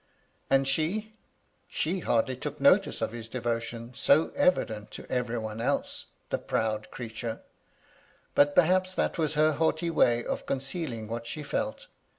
And she ? She hardly took notice of his devotion, so evident to every one else. The proud creature 1 But perhaps that was her haughty way of concealing what she felt.